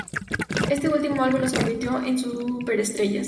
Este último álbum los convirtió en superestrellas.